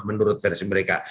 menurut versi mereka